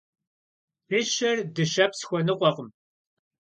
Dışer dışeps xuenıkhuekhım.